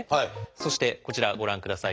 そしてこちらご覧ください。